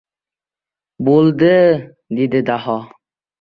"Bo‘ldi! — dedi Daho.